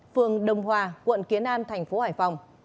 phường đồng hòa quận kiến an thành phố hải phòng